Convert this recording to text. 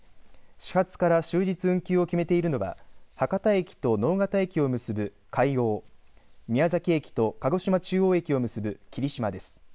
始発から終日運休を決めているのは博多駅と直方駅を結ぶかいおう宮崎駅と鹿児島中央駅を結ぶきりしまです。